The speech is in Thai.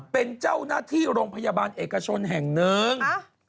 เป็นเจ้าหน้าที่โรงพยาบาลเอกชนแห่งหนึ่ง